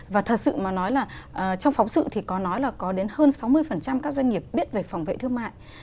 và thật sự mà nói là trong phóng sự thì có nói là có đến hơn sáu mươi các doanh nghiệp biết về phòng vệ thương mại